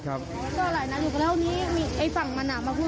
ก็คนนี้มีเรื่องก็ไม่ใช่หนู